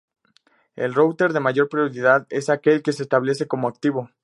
El router de mayor prioridad es el que se establecerá como activo.